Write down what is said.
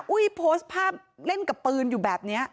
อุ้ยโพสต์ภาพเล่นกับปืนอยู่แบบนี้